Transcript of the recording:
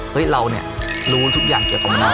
เฮ้ยเราเนี่ยรู้ทุกอย่างเกี่ยวกับมนุษย์